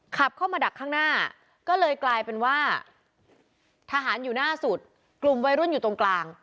ก็เลยกลายเป็นว่าทหารอยู่หน้าสุดกลุ่มวัยรุ่นอยู่ตรงกลาง